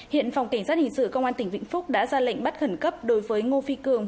hiện phòng cảnh sát hình sự công an tỉnh vĩnh phúc đã ra lệnh bắt khẩn cấp đối với ngô phi cường